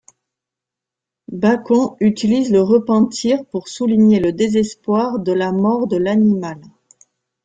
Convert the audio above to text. Bacon utilise le repentir pour souligner le désespoir de la mort de l'animal.